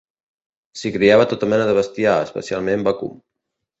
S'hi criava tota mena de bestiar, especialment vacum.